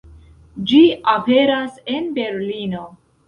Ĝi aperas en Berlino.